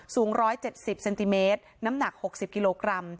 สูงร้อยเจ็ดสิบเซนติเมตรน้ำหนักหกสิบกิโลกรัม